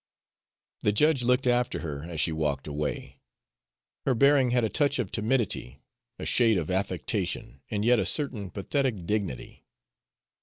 The judge looked after her as she walked away. Her bearing had a touch of timidity, a shade of affectation, and yet a certain pathetic dignity.